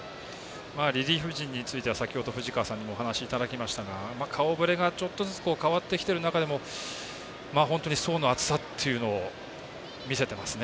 リリーフ陣については先ほど藤川さんからお話もいただきましたが顔ぶれがちょっとずつ変わってきている中でも本当に層の厚さというのを見せていますね